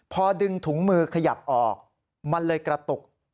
พอดึงถุงมือขยับออกมันเลยกระตุก